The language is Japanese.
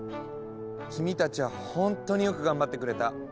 君たちはほんとによく頑張ってくれた。